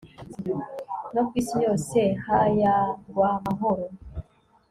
no kw'isi yose, hayagw'amahoro